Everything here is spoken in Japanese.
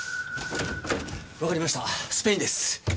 わかりましたスペインです。